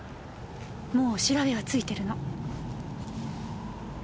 もう調べはついてるの。